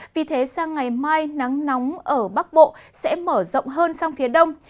vì thế sang ngày mai nắng nóng ở bắc bộ sẽ mở rộng hơn sang phía đông